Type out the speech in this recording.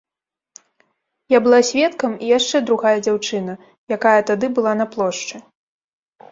Я была сведкам, і яшчэ другая дзяўчына, якая тады была на плошчы.